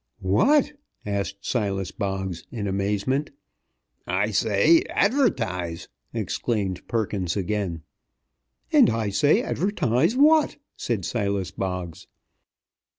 "What?" asked Silas Boggs, in amazement. "I say advertise!" exclaimed Perkins again. "And I say advertise what?" said Silas Boggs.